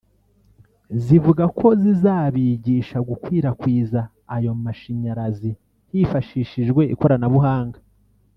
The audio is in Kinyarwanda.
zivuga ko zizabigisha gukwirakwiza ayo mashinyarazi hifashishijwe ikoranabuhanga